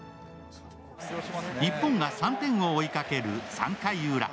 日本が３点を追いかける３回ウラ。